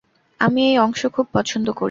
আমি এই অংশ খুব পছন্দ করি।